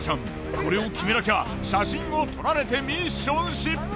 これを決めなきゃ写真を撮られてミッション失敗。